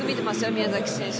宮崎選手。